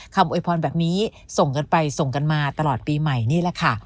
โวยพรแบบนี้ส่งกันไปส่งกันมาตลอดปีใหม่นี่แหละค่ะ